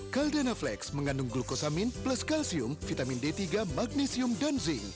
caldana flex mengandung glukosamin plus kalsium vitamin d tiga magnesium dan zinc